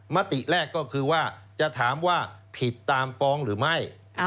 มติแรกก็คือว่าจะถามว่าผิดตามฟ้องหรือไม่